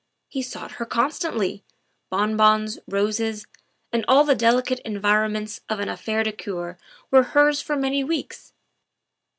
He sought her constantly; bon bons, roses, and all the delicate environments of an affaire de cceur were hers for many weeks.